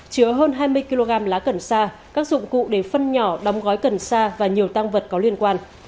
chứa hơn hai mươi kg lá cần xa các dụng cụ để phân nhỏ đóng gói cần xa và nhiều tang vật có liên quan